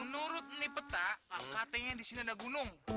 menurut nipeta katanya di sini ada gunung